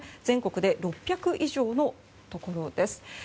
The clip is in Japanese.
全国で６００以上のところです。